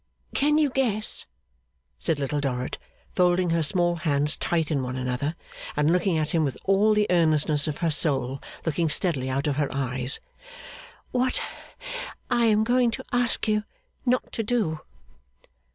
'Can you guess,' said Little Dorrit, folding her small hands tight in one another, and looking at him with all the earnestness of her soul looking steadily out of her eyes, 'what I am going to ask you not to do?